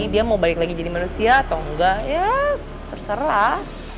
dia mau balik lagi jadi manusia atau enggak ya terserah